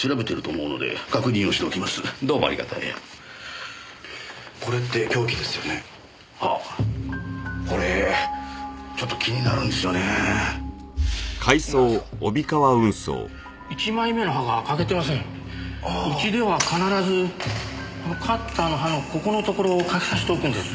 うちでは必ずカッターの刃のここのところを欠けさせておくんです。